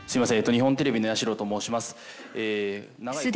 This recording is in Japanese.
日本テレビのヤシロと申します。